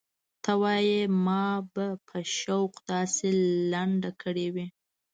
ته وايې ما به په شوق داسې لنډه کړې وي.